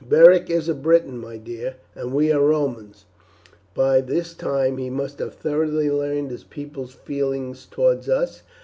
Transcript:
"Beric is a Briton, my dear, and we are Romans. By this time he must have thoroughly learned his people's feelings towards us.